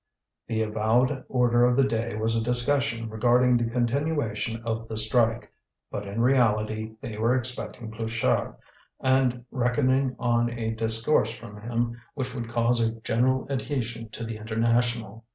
The avowed order of the day was a discussion regarding the continuation of the strike; but in reality they were expecting Pluchart, and reckoning on a discourse from him which would cause a general adhesion to the International.